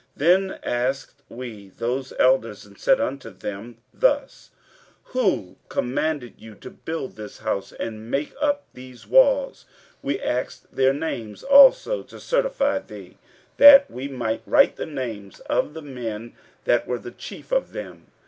15:005:009 Then asked we those elders, and said unto them thus, Who commanded you to build this house, and to make up these walls? 15:005:010 We asked their names also, to certify thee, that we might write the names of the men that were the chief of them.